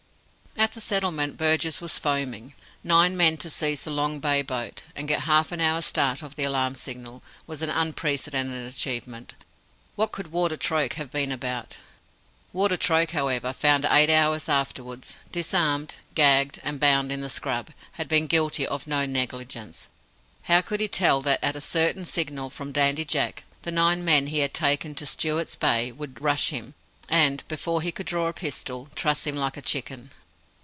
At the settlement Burgess was foaming. Nine men to seize the Long Bay boat, and get half an hour's start of the alarm signal, was an unprecedented achievement! What could Warder Troke have been about! Warder Troke, however, found eight hours afterwards, disarmed, gagged, and bound in the scrub, had been guilty of no negligence. How could he tell that, at a certain signal from Dandy Jack, the nine men he had taken to Stewart's Bay would "rush" him; and, before he could draw a pistol, truss him like a chicken?